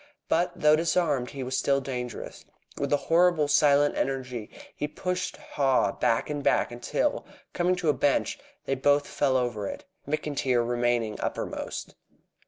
But, though disarmed, he was still dangerous. With a horrible silent energy he pushed Haw back and back until, coming to a bench, they both fell over it, McIntyre remaining uppermost.